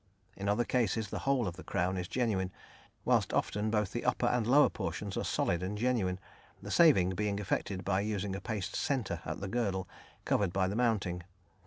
In other cases the whole of the crown is genuine, whilst often both the upper and lower portions are solid and genuine, the saving being effected by using a paste centre at the girdle, covered by the mounting.